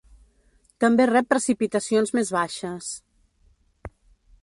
També rep precipitacions més baixes.